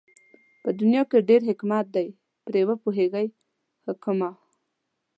په دنيا کې ډېر حکمت دئ پرې پوهېږي حُکَما